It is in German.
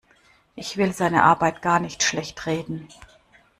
Ich will seine Arbeit gar nicht schlechtreden.